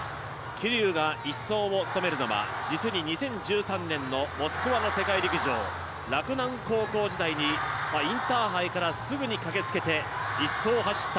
桐生が１走を務めるのは実に２０１３年のモスクワの世界陸上洛南高校時代に、インターハイからすぐに駆けつけて１走を走った。